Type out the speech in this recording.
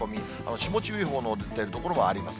霜注意報の出ている所もあります。